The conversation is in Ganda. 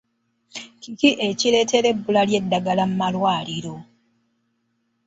Ki ekireetera ebbula ly'eddagala mu malwaliro?